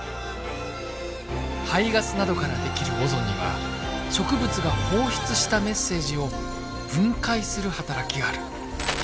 排ガスなどから出来るオゾンには植物が放出したメッセージを分解する働きがある。